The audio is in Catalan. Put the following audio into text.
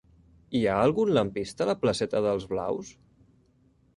Hi ha algun lampista a la placeta d'Els Blaus?